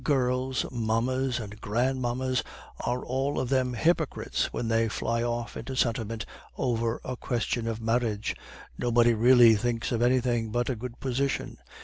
Girls, mammas, and grandmammas are all of them hypocrites when they fly off into sentiment over a question of marriage. Nobody really thinks of anything but a good position.